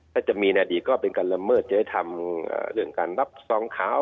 ถ้าจะมีหน้าดีก็เป็นการละเมิดจะได้ทำเรื่องการรับสองขาว